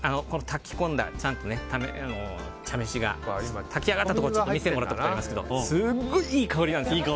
炊き込んだ茶飯が炊き上がったところ見せてもらったことありますけどすごいいい香りなんです。